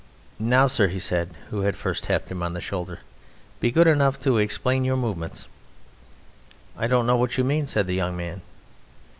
"Now, sir," said he who had first tapped him on the shoulder, "be good enough to explain your movements." "I don't know what you mean," said the young man.